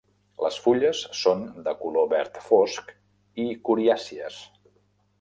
Les fulles són de color verd fosc i coriàcies.